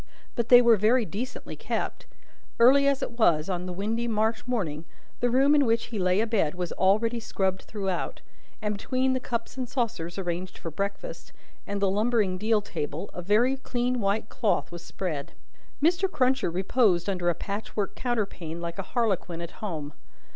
But they were very decently kept. Early as it was, on the windy March morning, the room in which he lay abed was already scrubbed throughout; and between the cups and saucers arranged for breakfast, and the lumbering deal table, a very clean white cloth was spread. Mr. Cruncher reposed under a patchwork counterpane, like a Harlequin at home.